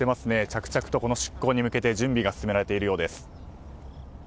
続々と出港に向けて準備が進められているようです。